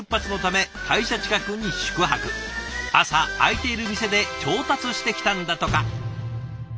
朝開いている店で調達してきたんだとか。